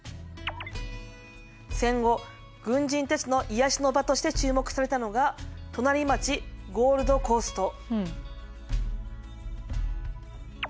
戦後軍人たちの癒やしの場として注目されたのが隣町ゴールドコースト。